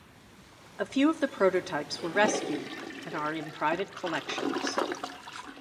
A few of the prototypes were rescued and are in private collections.